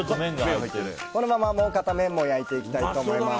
このままもう片面も焼いていきたいと思います。